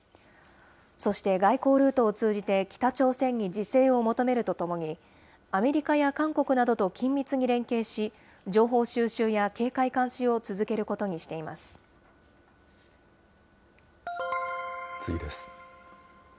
そして外交ルートを通じて、北朝鮮に自制を求めるとともに、アメリカや韓国などと緊密に連携し、情報収集や警戒監視を続ける次です。